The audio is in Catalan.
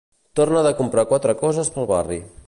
Torna de comprar quatre coses pel barri.